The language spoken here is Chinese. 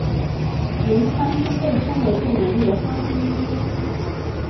龙川村被称为最美丽的乡村之一。